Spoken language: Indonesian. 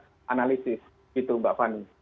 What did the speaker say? kita analisis gitu mbak fani